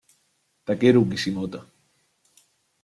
Takeru Kishimoto